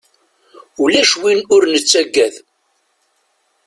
Ulac win ur nettaggad